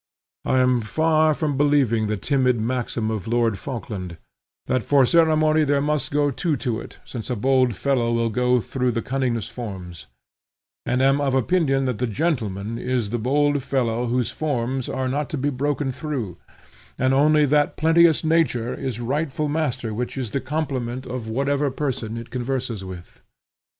I am far from believing the timid maxim of Lord Falkland ("that for ceremony there must go two to it; since a bold fellow will go through the cunningest forms"), and am of opinion that the gentleman is the bold fellow whose forms are not to be broken through; and only that plenteous nature is rightful master which is the complement of whatever person it converses with.